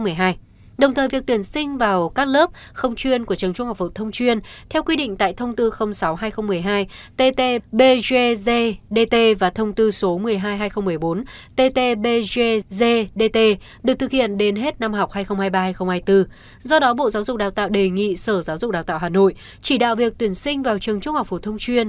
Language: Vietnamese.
các lớp không chuyên đã được tuyển sinh và tổ chức trong trường trung học phổ thông chuyên tiếp tục thực hiện theo quy định tại thông tư sáu hai nghìn một mươi hai ttbgzdt và thông tư một mươi hai hai nghìn một mươi bốn ttbgzdt của bộ trường giáo dục và đào tạo sửa đổi bổ sung điều hai mươi ba và điều hai mươi bốn quy chế tổ chức và hoạt động của trường trung học phổ thông chuyên